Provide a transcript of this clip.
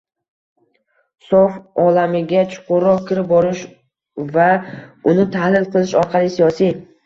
sof olamiga chuqurroq kirib borish va uni tahlil qilish orqali siyosiy